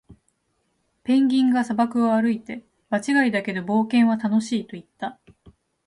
ペンギンが砂漠を歩いて、「場違いだけど、冒険は楽しい！」と言った。